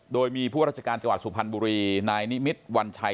โดยมีผู้ราชการจังหวัดสุพรรณบุรีนายนิมิตรวัญชัย